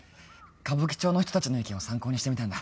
歌舞伎町の人達の意見を参考にしてみたんだ